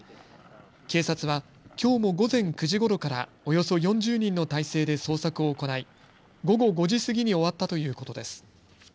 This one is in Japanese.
警察はきょうも午前９時ごろからおよそ４０人の態勢で捜索を行い午後５時過ぎに終わったということです。